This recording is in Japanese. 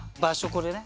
これね。